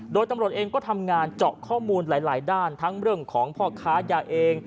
โดยตำรวจเองก็ทำงานเจาะข้อมูลหลายด้านทั้งเรื่องของพ่อค้ายาเอง